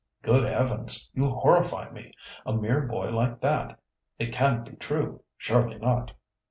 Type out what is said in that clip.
"Good heavens! You horrify me! A mere boy like that! It can't be true; surely not."